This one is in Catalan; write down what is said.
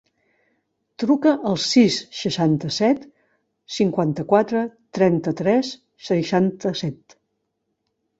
Truca al sis, seixanta-set, cinquanta-quatre, trenta-tres, seixanta-set.